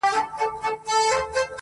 سر یې کښته ځړولی وو تنها وو!!